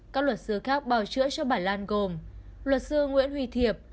các luật sư khác bảo chữa cho bài lan gồm luật sư nguyễn huy thiệp